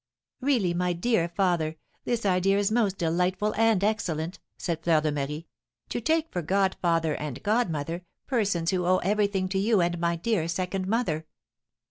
"Really, my dear father, this idea is most delightful and excellent!" said Fleur de Marie; "to take for godfather and godmother persons who owe everything to you and my dear second mother!"